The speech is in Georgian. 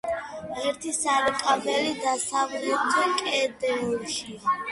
ერთი სარკმელი დასავლეთ კედელშია.